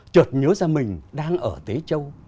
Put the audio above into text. chợt nhớ ra mình đang ở tế châu